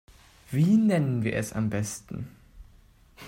Wie nennen wir es am besten?